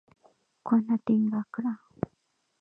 کونه ټينګه کړه.